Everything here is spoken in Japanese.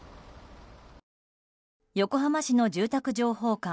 横浜市の住宅情報館